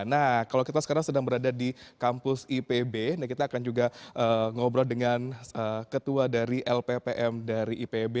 nah kalau kita sekarang sedang berada di kampus ipb dan kita akan juga ngobrol dengan ketua dari lppm dari ipb